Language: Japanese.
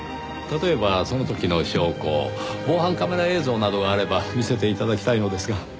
例えばその時の証拠防犯カメラ映像などがあれば見せて頂きたいのですが。